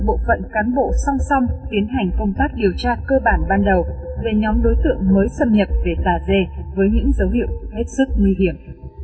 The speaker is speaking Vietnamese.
bộ phận cán bộ song song tiến hành công tác điều tra cơ bản ban đầu về nhóm đối tượng mới xâm nhập về tà dê với những dấu hiệu hết sức nguy hiểm